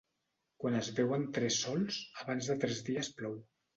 Quan es veuen tres sols, abans de tres dies plou.